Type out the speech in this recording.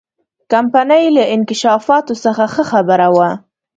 کمپنۍ له انکشافاتو څخه ښه خبره وه.